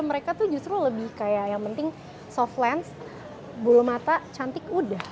mereka tuh justru lebih kayak yang penting soft lens bulu mata cantik udah